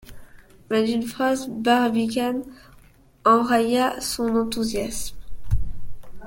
Mais, d’une phrase, Barbicane enraya son enthousiasme.